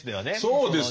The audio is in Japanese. そうですよ。